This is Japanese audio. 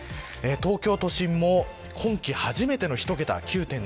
東京都心も今季初めての１桁９．７度。